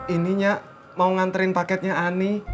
ininya mau nganterin paketnya ani